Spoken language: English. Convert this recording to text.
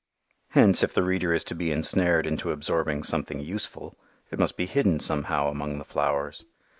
Hence if the reader is to be ensnared into absorbing something useful, it must be hidden somehow among the flowers.